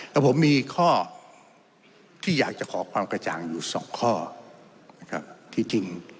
และผมอีกข้อที่อยากจะขอความกดจังอยู่๒ข้อที่จริง